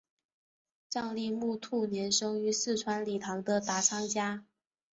藏历木兔年生于四川理塘的达仓家。